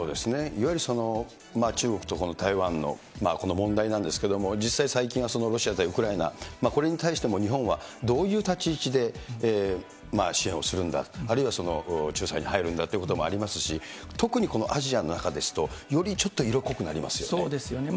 いわゆるその中国と台湾のこの問題なんですけれども、実際、最近はロシアとウクライナ、これに対しても日本はどういう立ち位置で支援をするんだ、あるいは仲裁に入るんだということもありますし、特に、このアジアの中ですと、よりちょっと色濃くなりますよね。